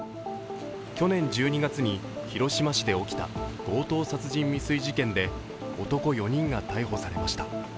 去年１２月に広島市で起きた強盗殺人未遂事件で男４人が逮捕されました。